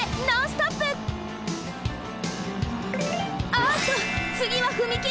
あっとつぎは踏切！